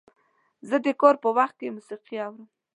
زه د کار په وخت کې موسیقي اورم.